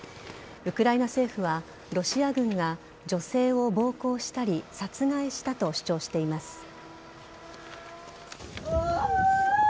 ウクライナ政府はロシア軍が女性を暴行したり殺害したと主張しています。